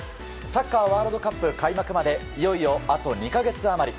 サッカーワールドカップ開幕までいよいよあと２か月余り。